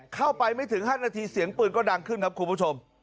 เข้าไปไม่ถึง๕นาทีเสียงปืนก็ดังขึ้นครับคุณผู้ชม